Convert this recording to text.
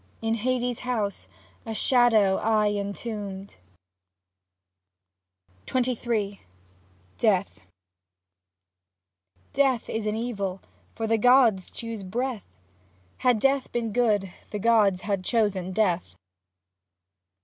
In Hades' house a shadow ay entombed. XXIII DEATH Death is an evil, for the gods choose breath ; Had Death been good the gods had chosen Death.